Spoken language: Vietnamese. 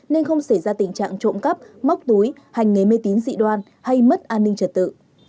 nên không xảy ra tình trạng trộm cắp móc túi hành nghề mê tín dị đoan hay mất an ninh trật tự